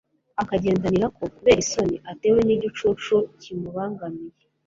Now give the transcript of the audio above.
akagendanirako kubera isoni atewe n'igicucu kimubangamiye